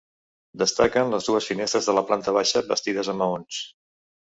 Destaquen les dues finestres de la planta baixa bastides amb maons.